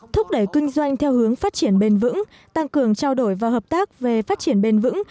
thúc đẩy kinh doanh theo hướng phát triển bền vững tăng cường trao đổi và hợp tác về phát triển bền vững